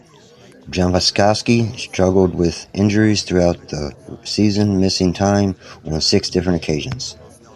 Jovanovski struggled with injuries throughout the season, missing time on six different occasions.